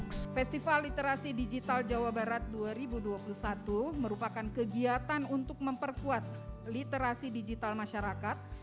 festival literasi digital jawa barat dua ribu dua puluh satu merupakan kegiatan untuk memperkuat literasi digital masyarakat